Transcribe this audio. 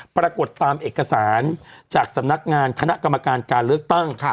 ปรากฏตามเอกสารจากสำนักงานคณะกรรมการการเลือกตั้ง